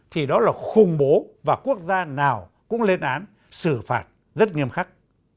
thì đó là khủng bố và quốc gia nào cũng lên án xử phạt rất nghiêm khắc